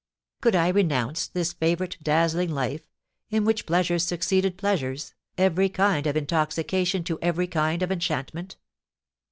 Could I renounce this favourite, dazzling life, in which pleasures succeeded pleasures, every kind of intoxication to every kind of enchantment?